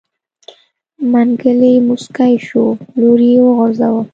منګلی موسکی شو لور يې وغورځوه.